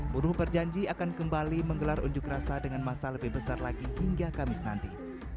buruh berjanji akan kembali menggelar unjuk rasa dengan masa lebih besar lagi hingga kamis nanti